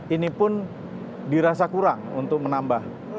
ini pun dirasa kurang untuk menambah